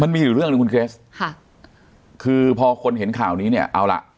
มีอยู่เรื่องหนึ่งคุณเกรสค่ะคือพอคนเห็นข่าวนี้เนี่ยเอาล่ะ